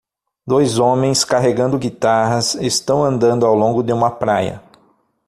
Dois homens carregando guitarras estão andando ao longo de uma praia